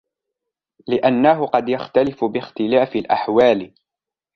لِأَنَّهُ قَدْ يَخْتَلِفُ بِاخْتِلَافِ الْأَحْوَالِ